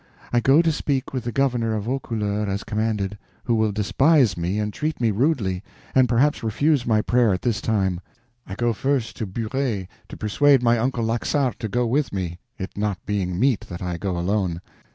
I go to speak with the governor of Vaucouleurs as commanded, who will despise me and treat me rudely, and perhaps refuse my prayer at this time. I go first to Burey, to persuade my uncle Laxart to go with me, it not being meet that I go alone.